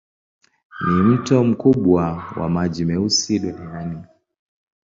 Ni mto mkubwa wa maji meusi duniani.